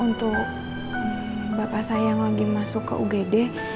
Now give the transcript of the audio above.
untuk bapak saya yang lagi masuk ke ugd